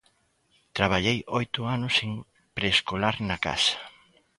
Traballei oito anos en Preescolar na casa.